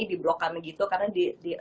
di blok kami gitu karena di